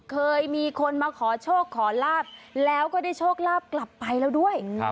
เคยมีคนมาขอโชคขอลาบแล้วก็ได้โชคลาภกลับไปแล้วด้วย